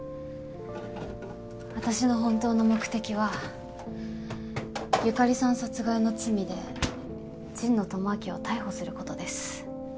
私の本当の目的は由香里さん殺害の罪で神野智明を逮捕することです